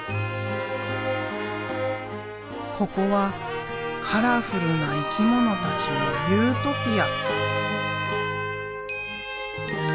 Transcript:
ここはカラフルな生き物たちのユートピア。